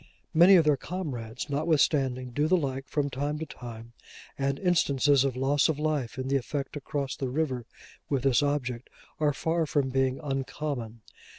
Many of their comrades, notwithstanding, do the like, from time to time; and instances of loss of life in the effort to cross the river with this object, are far from being uncommon.